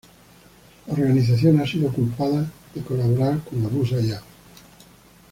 La organización ha sido culpada de colaborar con Abu Sayyaf.